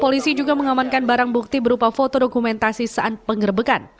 polisi juga mengamankan barang bukti berupa foto dokumentasi saat penggerbekan